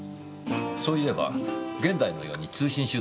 そういえば現代のように通信手段が発達する